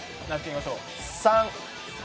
３。